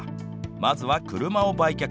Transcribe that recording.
まずは車を売却。